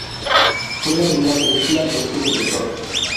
Fue la primera película de este director.